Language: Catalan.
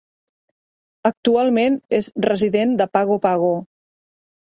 Actualment és resident de Pago Pago.